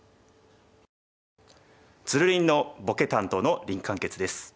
つるりんのボケ担当の林漢傑です。